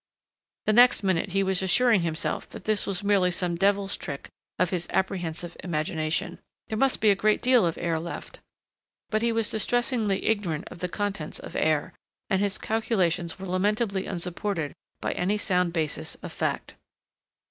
The next minute he was assuring himself that this was merely some devil's trick of his apprehensive imagination. There must be a great deal of air left.... But he was distressingly ignorant of the contents of air, and his calculations were lamentably unsupported by any sound basis of fact.